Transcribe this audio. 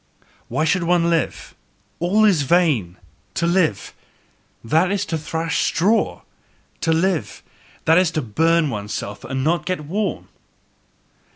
"Why should one live? All is vain! To live that is to thrash straw; to live that is to burn oneself and yet not get warm."